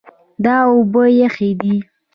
دا اوبه یخې دي.